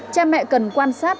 cha mẹ cần quan sát